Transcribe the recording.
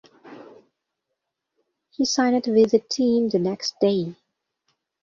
He signed with the team the next day.